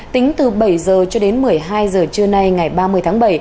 tính từ bảy h cho đến một mươi hai giờ trưa nay ngày ba mươi tháng bảy